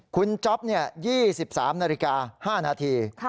คุณจ๊อป๒๓นาฬิกา๕นาที